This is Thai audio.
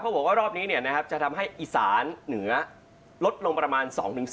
บอกว่ารอบนี้จะทำให้อีสานเหนือลดลงประมาณ๒๔